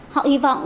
họ hy vọng